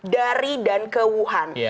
dari dan ke wuhan